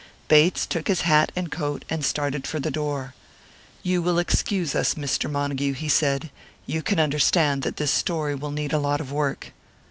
Bates took his hat and coat and started for the door. "You will excuse us, Mr. Montague," he said. "You can understand that this story will need a lot of work."